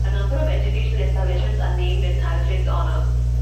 A number of educational establishments are named in Alfred's honour.